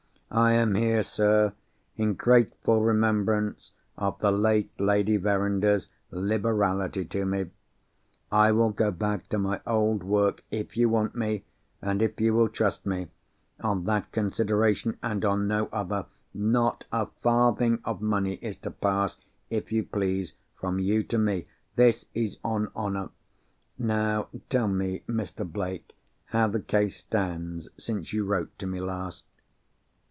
I am here, sir, in grateful remembrance of the late Lady Verinder's liberality to me. I will go back to my old work—if you want me, and if you will trust me—on that consideration, and on no other. Not a farthing of money is to pass, if you please, from you to me. This is on honour. Now tell me, Mr. Blake, how the case stands since you wrote to me last."